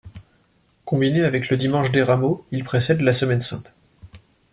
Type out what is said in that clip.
Combiné avec le Dimanche des Rameaux, il précède la Semaine sainte.